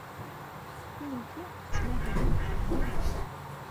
Kennemti tettmahalemt deg Milano.